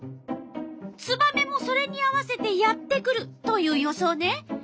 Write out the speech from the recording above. ツバメもそれに合わせてやって来るという予想ね。